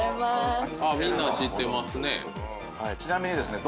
みんな知ってますね。